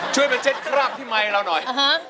ช่วยมาเช็ดคราบที่ไมค์เราหน่อย